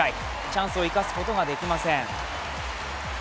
チャンスを生かすことができません。